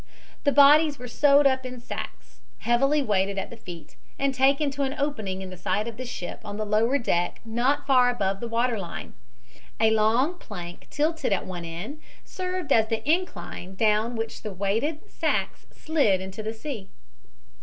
The bodies were sewed up in sacks, heavily weighted at the feet, and taken to an opening in the side of the ship on the lower deck not far above the water line. A long plank tilted at one end served as the incline down which the weighted sacks slid into the sea.